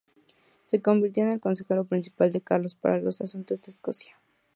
Se convirtió en el consejero principal de Carlos para los asuntos de Escocia.